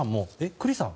栗さん